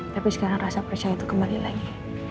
tapi sekarang rasa percaya itu kembali lagi